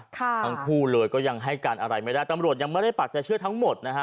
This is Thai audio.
ทั้งคู่เลยก็ยังให้การอะไรไม่ได้ตำรวจยังไม่ได้ปากใจเชื่อทั้งหมดนะฮะ